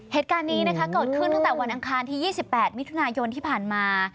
เหตุการณ์นี้นะคะเกิดขึ้นตั้งแต่วันอังคารที่๒๘มิถุนายนที่ผ่านมา